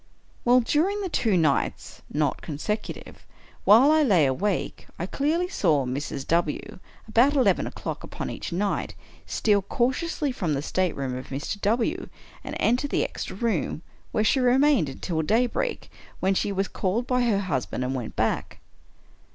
Well, during two nights (not consecutive) while I lay awake, I clearly saw Mrs. W., about eleven o'clock upon each night, steal cautiously from the state room of Mr. W., and enter the extra room, where she re mained until daybreak, when she was called by her husband and went back.